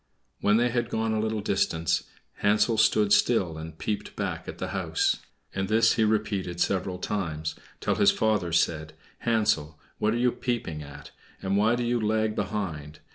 When they had gone a little distance, Hansel stood still, and peeped back at the house; and this he repeated several times, till his father said, "Hansel, what are you peeping at, and why do you lag behind?